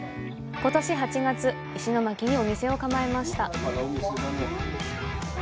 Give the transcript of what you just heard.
ことし８月、石巻にお店を構えました。